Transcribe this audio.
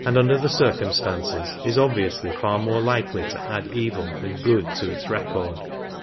under the circumstances is obviously far more likely to add evil than good to its record.